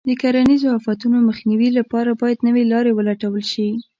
د کرنیزو آفتونو مخنیوي لپاره باید نوې لارې ولټول شي.